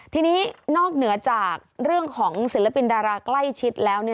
ทีนี้นอกเหนือจากเรื่องของศิลปินดาราใกล้ชิดแล้ว